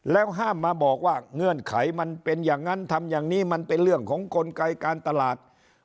แล้วห้ามมาบอกว่าเงื่อนไขมันเป็นอย่างนั้นทำอย่างนี้มันเป็นเรื่องของกลไกการตลาด